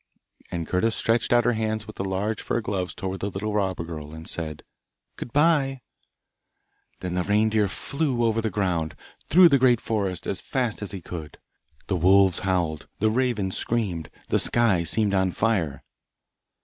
And Gerda stretched out her hands with the large fur gloves towards the little robber girl and said, 'Good bye!' Then the reindeer flew over the ground, through the great forest, as fast as he could. The wolves howled, the ravens screamed, the sky seemed on fire.